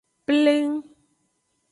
Pleng.